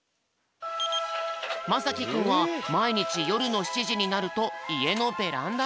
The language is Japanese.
まさきくんはまいにちよるの７じになるといえのベランダへ。